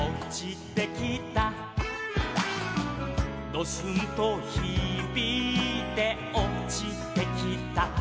「ドスンとひびいておちてきた」